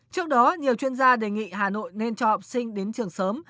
trước đó nhiều chuyên gia đề nghị hà nội nên cho học sinh đến trường sớm